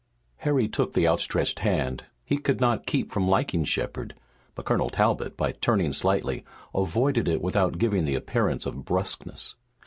Harry took the outstretched hand he could not keep from liking Shepard but Colonel Talbot, by turning slightly, avoided it without giving the appearance of brusqueness.